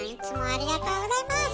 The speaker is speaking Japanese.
ありがとうございます！